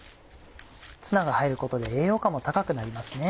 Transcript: ツナが入ることで栄養価も高くなりますね。